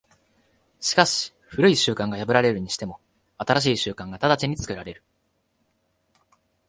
しかし旧い習慣が破られるにしても、新しい習慣が直ちに作られる。